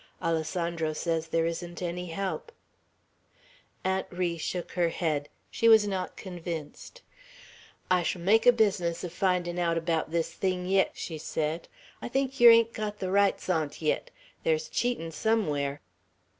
Alessandro says there isn't any help." Aunt Ri shook her head. She was not convinced. "I sh'll make a business o' findin' out abaout this thing yit," she said. "I think yer hain't got the rights on't yit. There's cheatin' somewhere!"